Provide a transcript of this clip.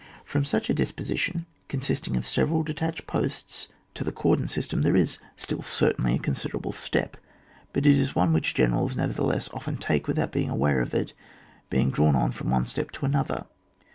From such a disposition, consisting of several detached posts, to the cordon system, onAP. xxir.] TEE CORDON. 153 there is still certainly a considerable step, but it is one which generals, never thelesSy often take without being aware of it, being drawn on from one step to another.